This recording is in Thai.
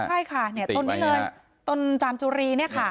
ใช่ค่ะเนี้ยต้นนี้เลยต้นจามจุรีเนี้ยค่ะ